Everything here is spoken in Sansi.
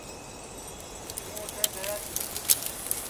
ہُوں اُوٹھے گَیا تِیا